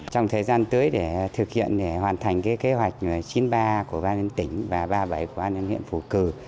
trong thời gian tới để thực hiện để hoàn thành cái kế hoạch chín mươi ba a của ban nhân tỉnh và ba mươi bảy a của an nhân huyện phù cử